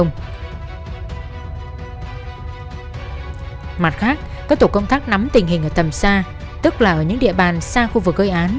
mặt khác các tổ công tác nắm tình hình ở tầm xa tức là ở những địa bàn xa khu vực gây án